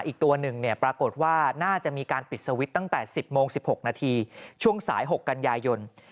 อีกตัวหนึ่งปรากฏว่าน่าจะมีการปิดสวิตช์ตั้งแต่๑๐โมง๑๖นาทีช่วงสาย๖กันยายน